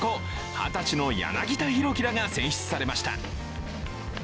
二十歳の柳田大輝らが選出されました。